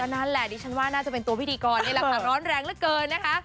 นั่นแหละดิฉันว่าน่าจะเป็นตัวพิธีกรนี่แหละค่ะร้อนแรงเหลือเกินนะคะ